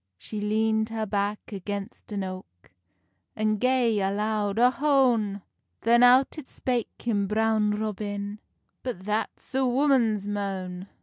She leand her back against an oak, And gae a loud Ohone! Then out it spake him Brown Robin, "But that's a woman's moan!"